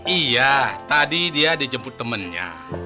iya tadi dia dijemput temennya